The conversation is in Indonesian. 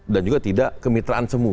juga tidak kemitraan semu